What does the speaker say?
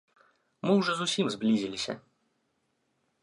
Мы ўжо зусім зблізіліся.